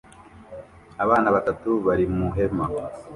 Abana batatu bari mu ihema